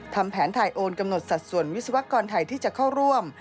ทำแผนถ่ายโอนกำหนดสัดส่วนวิศวกรไทยที่จะเข้าร่วม